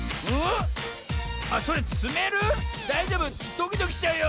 ドキドキしちゃうよ！